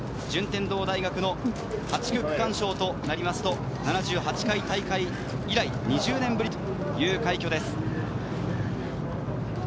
順天堂の８区区間賞となりますと７８回大会以来、２０年ぶりという快挙です。